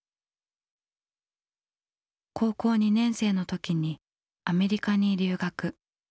高校２年生の時にアメリカに留学。